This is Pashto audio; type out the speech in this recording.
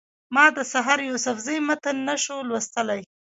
ما د سحر یوسفزي متن نه شو لوستلی.